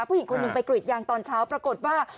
ผู้หญิงคนหนึ่งไปกรีดยางตอนเช้าปรากฏว่า